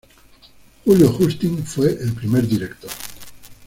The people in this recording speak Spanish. Julio Justin fue el primer director.